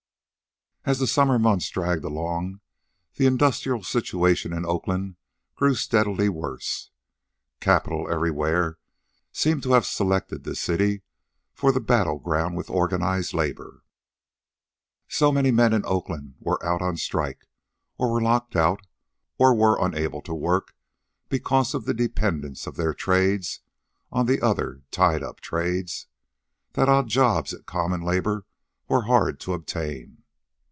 As the summer months dragged along, the industrial situation in Oakland grew steadily worse. Capital everywhere seemed to have selected this city for the battle with organized labor. So many men in Oakland were out on strike, or were locked out, or were unable to work because of the dependence of their trades on the other tied up trades, that odd jobs at common labor were hard to obtain.